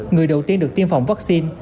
người đầu tiên được tiêm phòng vaccine